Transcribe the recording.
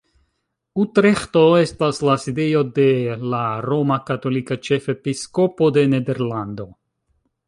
Utreĥto estas la sidejo de la roma katolika ĉefepiskopo de Nederlando.